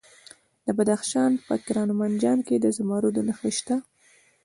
د بدخشان په کران او منجان کې د زمرد نښې شته.